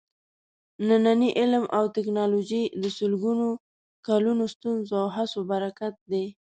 نننی علم او ټېکنالوجي د سلګونو کالونو ستونزو او هڅو برکت دی.